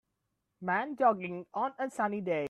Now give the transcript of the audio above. Man jogging on a sunny day.